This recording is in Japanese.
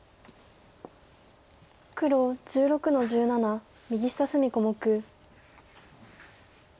黒１６の十七右下隅小目。